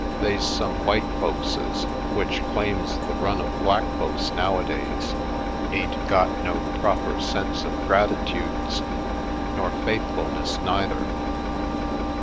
They's some w'ite folkses w'ich claims the run of black folks nowadays ain't got no proper sense of grat itudes nor faithfulness, neither.